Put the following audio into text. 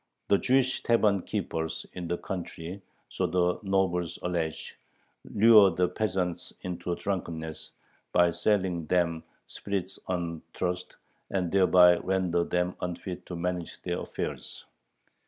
The Jewish tavern keepers in the country, so the nobles allege, "lure the peasants into drunkenness," by selling them spirits on trust, and thereby "render them unfit to manage their affairs."